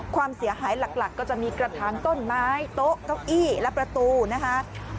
ความเสียหายหลักก็จะมีกระถางต้นไม้โต๊ะเก้าอี้และประตูนะคะ